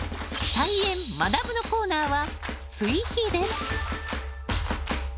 「菜園×まなぶ」のコーナーは追肥です